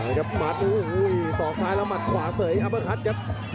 อันนี้ครับมัดสองซ้ายแล้วมัดขวาเสยอัพพยาบาคัทครับ